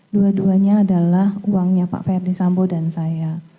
dua duanya adalah uangnya pak ferdi sambo dan saya